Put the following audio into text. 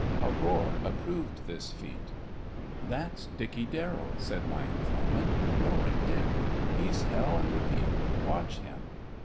A roar approved this feat. "That's Dickey Darrell," said my informant, "Roaring Dick. He's hell and repeat. Watch him."